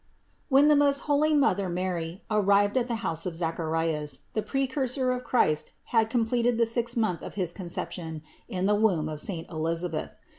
215. When the most holy Mother Mary arrived at the house of Zacharias, the Precursor of Christ had com pleted the sixth month of his conception in the womb of saint Elisabeth.